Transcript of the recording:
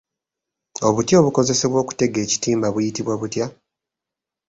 Obuti obukozesebwa okutega ekitimba buyitibwa butya?